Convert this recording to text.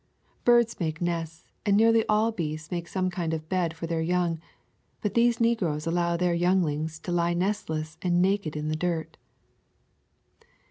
Birds make nests and nearly all beasts make some kind of bed for their young; but these negroes allow their younglings to lie nestless and naked in the dirt.